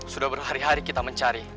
sudah berhari hari kita mencari